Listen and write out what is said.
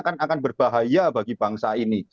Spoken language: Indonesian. kan akan berbahaya bagi bangsa ini